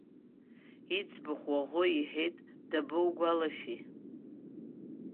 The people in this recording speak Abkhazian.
Иӡбахә уаӷоу иҳәеит, дабоугәалашәеи!